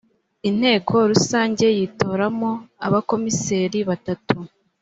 inteko rusange yitoramo abakomiseri batatu